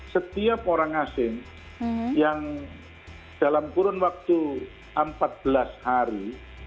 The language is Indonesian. setiap orang asing yang dalam kurun waktu empat belas hari